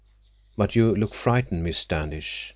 But you look frightened, Miss Standish!